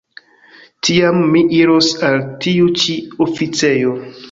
Tiam mi iros al tiu ĉi oficejo.